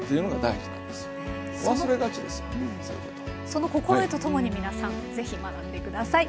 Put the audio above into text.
その心得とともに皆さん是非学んで下さい。